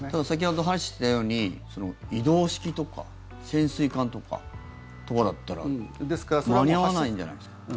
先ほど話していたように移動式とか潜水艦とかだったら間に合わないんじゃないですか？